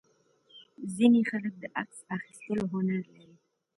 ځینې خلک د عکس اخیستلو هنر لري.